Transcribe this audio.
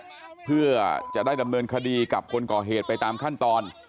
เพื่อจะได้ดำเนินคดีกับคนก่อเหตุไปตามขั้นตอน